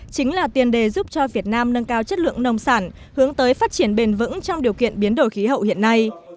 chính là tiền đề giúp cho việt nam nâng cao chất lượng nông sản hướng tới phát triển bền vững trong điều kiện biến đổi khí hậu hiện nay